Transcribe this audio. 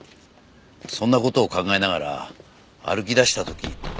そんな事を考えながら歩き出した時。